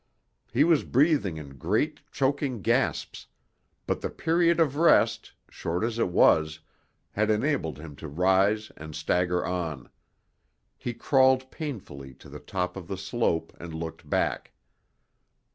He was breathing in great, choking gasps, but the period of rest short as it was had enabled him to rise and stagger on. He crawled painfully to the top of the slope, and looked back.